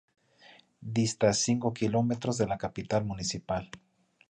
Dista cinco kilómetros de la capital municipal.